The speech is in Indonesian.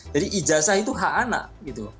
jadi ijazah itu hak anak gitu